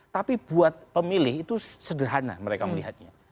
tapi buat pemilih itu sederhana mereka melihatnya